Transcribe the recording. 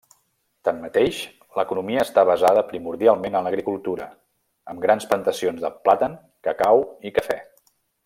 Tanmateix, l'economia està basada primordialment en l'agricultura, amb grans plantacions de plàtan, cacau i cafè.